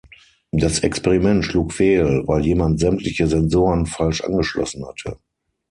Das Experiment schlug fehl, weil jemand sämtliche Sensoren falsch angeschlossen hatte.